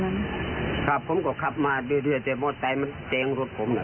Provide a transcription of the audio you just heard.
ครับผมก็ขับมาด้วยแต่มันเจ๊งรถผมนะ